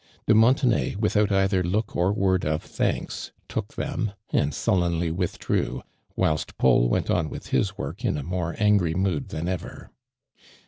'' De^ Montenay, without either look or word of thanks, took them, and sullenly withdrew, whilst Paid went on with his work in a more angry mood than ever.